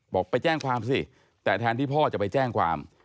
บอกไปแจ้งความสิแต่แทนที่พ่อจะไปแจ้งความ